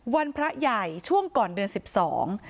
พระใหญ่ช่วงก่อนเดือนสิบสอง